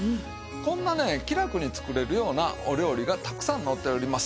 こんなね気楽に作れるようなお料理がたくさん載っております。